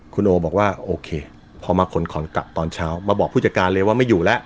คุณโอบอกว่าโอเคพอมาขนของกลับตอนเช้ามาบอกผู้จัดการเลยว่าไม่อยู่แล้ว